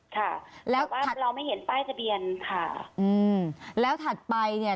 ค่ะแล้วก็เราไม่เห็นป้ายทะเบียนค่ะอืมแล้วถัดไปเนี่ย